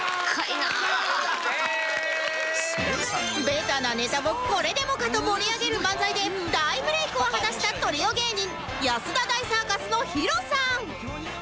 ベタなネタもこれでもかと盛り上げる漫才で大ブレイクを果たしたトリオ芸人安田大サーカスの ＨＩＲＯ さん